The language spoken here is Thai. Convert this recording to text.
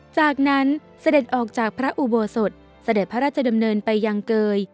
จากนั้นเสด็จออกจากพระอุโบสถเสด็จพระราชดำเนินไปยังเกย